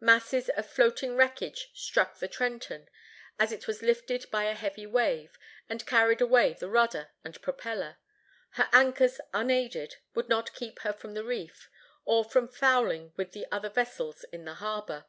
Masses of floating wreckage struck the Trenton, as it was lifted by a heavy wave, and carried away the rudder and propeller. Her anchors, unaided, would not keep her from the reef, or from fouling with the other vessels in the harbor.